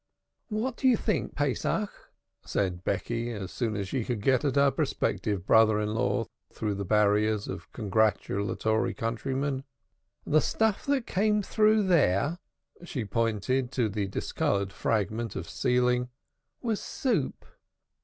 "What do you think, Pesach," said Becky, as soon as she could get at her prospective brother in law through the barriers of congratulatory countrymen. "The stuff that came through there" she pointed to the discolored fragment of ceiling "was soup.